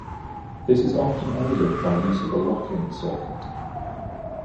This is often aided by use of a lock-in circuit.